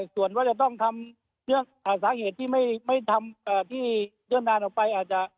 ส่วนว่าจะต้องทำเนื้อศาสตร์เหตุที่ไม่ทำที่เริ่มนานออกไป